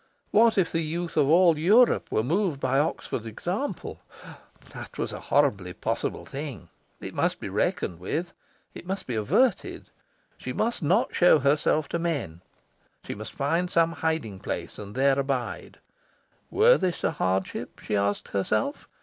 What if the youth of all Europe were moved by Oxford's example? That was a horribly possible thing. It must be reckoned with. It must be averted. She must not show herself to men. She must find some hiding place, and there abide. Were this a hardship? she asked herself.